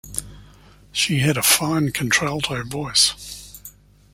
She had a fine contralto voice.